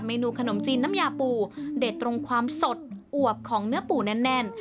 นูขนมจีนน้ำยาปูเด็ดตรงความสดอวบของเนื้อปูแน่น